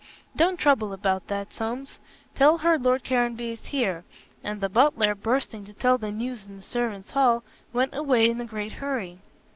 "Don't trouble about that, Somes. Tell her Lord Caranby is here," and the butler, bursting to tell the news in the servants' hall, went away in a great hurry.